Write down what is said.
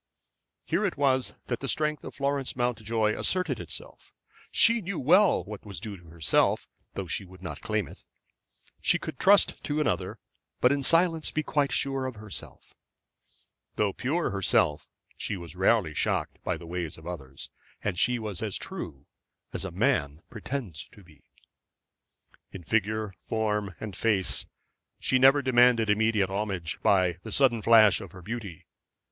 Here it was that the strength of Florence Mountjoy asserted itself. She knew well what was due to herself, though she would not claim it. She could trust to another, but in silence be quite sure of herself. Though pure herself, she was rarely shocked by the ways of others. And she was as true as a man pretends to be. In figure, form, and face she never demanded immediate homage by the sudden flash of her beauty.